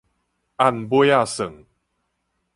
按尾仔算